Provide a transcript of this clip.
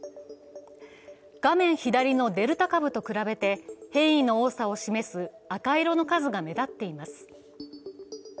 画面左のデルタ株と比べて、変異の多さを示す赤色の数が目立っています。